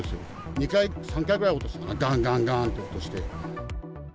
２回、３回ぐらい音したかな、がんがんがんって音して。